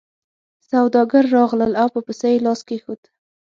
سوداګر راغلل او په پسه یې لاس کېښود.